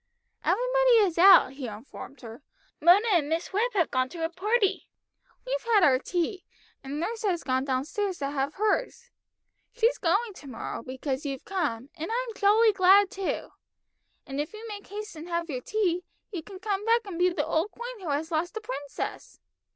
"Everybody is out," he informed her; "Mona and Miss Webb have gone to a party. We've had our tea, and nurse has gone down stairs to have hers. She's going to morrow, because you've come, and I'm jolly glad too! And if you make haste and have your tea, you can come back and be the old queen who has lost the princess.